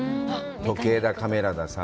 時計だ、カメラださ。